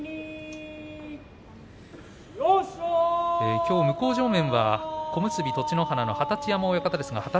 きょう向正面は小結栃乃花の二十山親方です。